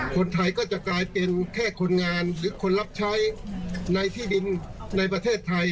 คนไทยก็จะกลายเป็นแค่คนงานหรือคนรับใช้ในที่ดินในประเทศไทย